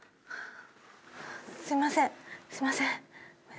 すみません、すみません。